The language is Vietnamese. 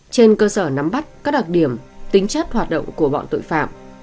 trên cơ sở nắm bắt các đặc điểm tính chất hoạt động của bọn tội phạm